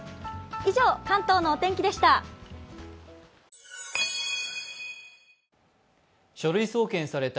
以上、関東のお天気でした。